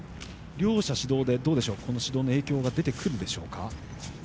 両者指導で、この指導の影響が出てくるでしょうか。